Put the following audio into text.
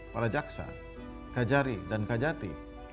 para jaksa kajari dan kajati